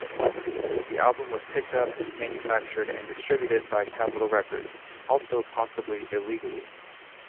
The album was picked up, manufactured and distributed by Capitol Records, also possibly illegally.